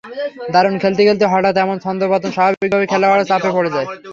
দারুণ খেলতে খেলতে হঠাৎ এমন ছন্দপতন- স্বাভাবিকভাবেই খেলোয়াড়েরা চাপে পড়ে যায়।